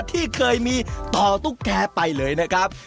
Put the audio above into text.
ที่เคยมีต่อตุ๊กแกไปเลยนะครับ